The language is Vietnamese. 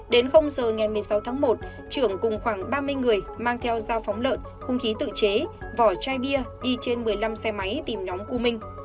đến giờ ngày một mươi sáu tháng một trưởng cùng khoảng ba mươi người mang theo dao phóng lợn khung khí tự chế vỏ chai bia đi trên một mươi năm xe máy tìm nhóm cư minh